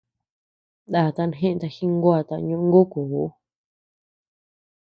Ndatan jeʼëta jinguata ñóngukuu.